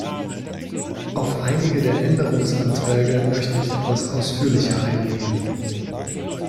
Auf einige der Änderungsanträge möchte ich etwas ausführlicher eingehen.